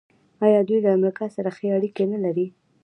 آیا دوی له امریکا سره ښې اړیکې نلري؟